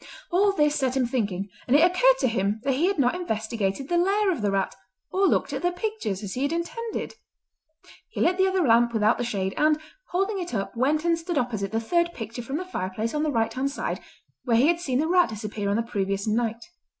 All this set him thinking, and it occurred to him that he had not investigated the lair of the rat or looked at the pictures, as he had intended. He lit the other lamp without the shade, and, holding it up went and stood opposite the third picture from the fireplace on the right hand side where he had seen the rat disappear on the previous night.